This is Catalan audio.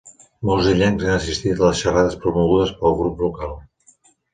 Molts illencs han assistit a les xerrades promogudes pel grup local.